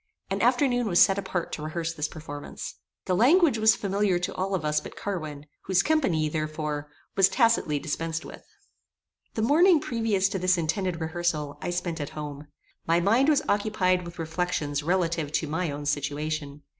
An afternoon was set apart to rehearse this performance. The language was familiar to all of us but Carwin, whose company, therefore, was tacitly dispensed with. The morning previous to this intended rehearsal, I spent at home. My mind was occupied with reflections relative to my own situation.